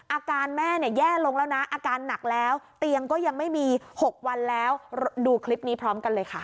อาการแม่เนี่ยแย่ลงแล้วนะอาการหนักแล้วเตียงก็ยังไม่มี๖วันแล้วดูคลิปนี้พร้อมกันเลยค่ะ